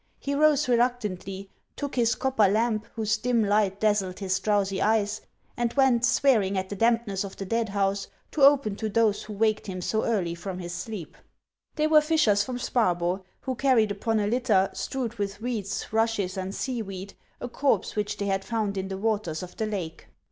He rose reluc tantly, took his copper lamp, whose dim light dazzled his drowsy eyes, and went, swearing at the dampness of the dead house, to open to those who waked him so early from his sleep. 31 482 HANS OF ICELAND. They were tishers from Sparbo, who carried upon a litter, strewed with reeds, rushes, and seaweed, a corpse which they had found in the waters of the lake.